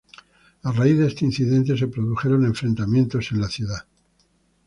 A raíz de este incidente se produjeron enfrentamientos en al ciudad.